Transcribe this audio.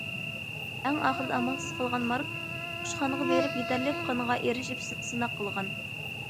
ئەڭ ئاخىرىدا ئامالسىز قالغان مارك قۇشخانىغا بېرىپ يېتەرلىك قانغا ئېرىشىپ سىناق قىلغان.